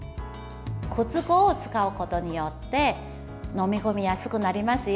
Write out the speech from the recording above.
くず粉を使うことによって飲み込みやすくなりますよ。